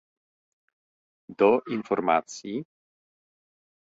do informacji